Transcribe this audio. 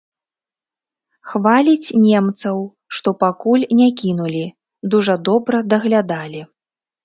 Хваліць немцаў, што пакуль не кінулі, дужа добра даглядалі.